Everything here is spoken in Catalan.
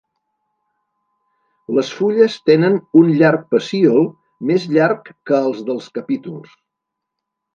Les fulles tenen un llarg pecíol, més llarg que els dels capítols.